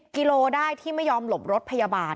กิโลได้ที่ไม่ยอมหลบรถพยาบาล